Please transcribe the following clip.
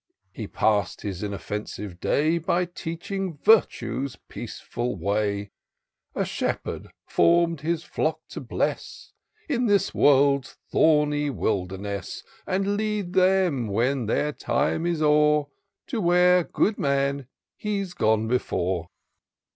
He pass'd his inoffensive day In teaching virtue's peaceful way : A shepherd, form'd his flock to bless In this world's thorny wilderness. And lead them, when their time is o'er. To where, good man ! he's gone before.